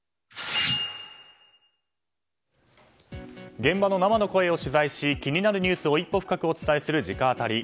現場の生の声を取材し気になるニュースを一歩深くお伝えする直アタリ。